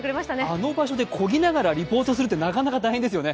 あの場所でこぎながらレポートするって大変ですよね。